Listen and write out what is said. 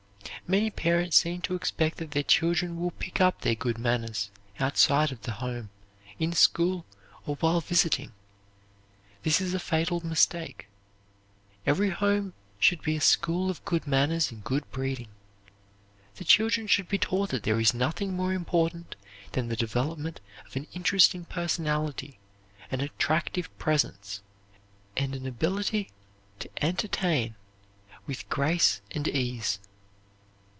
Many parents seem to expect that their children will pick up their good manners outside of the home, in school, or while visiting. This is a fatal mistake. Every home should be a school of good manners and good breeding. The children should be taught that there is nothing more important than the development of an interesting personality, an attractive presence, and an ability to entertain with grace and ease.